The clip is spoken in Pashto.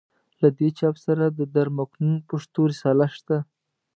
له دې چاپ سره د در مکنون پښتو رساله شته.